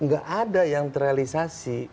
gak ada yang terrealisasi